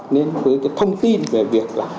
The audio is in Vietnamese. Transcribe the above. nên với thông tin về việc